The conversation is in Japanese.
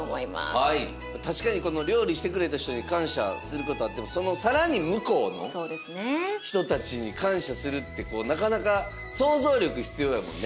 はい確かに料理してくれた人に感謝することあってもその更に向こうの人たちに感謝するってなかなか想像力必要やもんね。